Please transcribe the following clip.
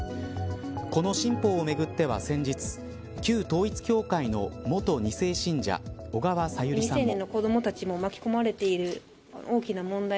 この新法をめぐっては先日旧統一教会の元２世信者小川さゆりさんも。